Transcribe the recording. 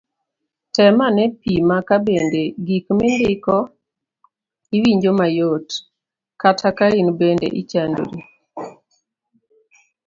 tem ane pima ka bende gik mindiko iwinjo mayot kata ka in bende ichandori